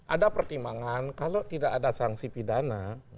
ada pertimbangan kalau tidak ada sanksi pidana